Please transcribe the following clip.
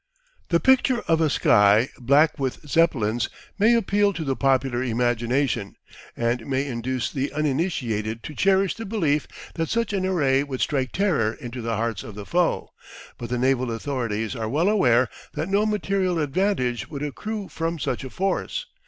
The picture of a sky "black with Zeppelins" may appeal to the popular imagination, and may induce the uninitiated to cherish the belief that such an array would strike terror into the hearts of the foe, but the naval authorities are well aware that no material advantage would accrue from such a force.